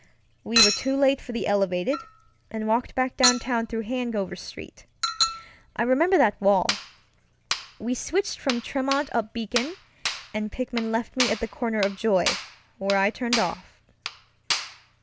We were too late for the elevated, and walked back downtown through Hanover Street. I remember that walk. We switched from Tremont up Beacon, and Pickman left me at the corner of Joy, where I turned off.